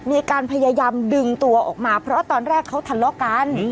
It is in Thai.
มีการพยายามดึงตัวออกมาเพราะตอนแรกเขาทะเลาะกัน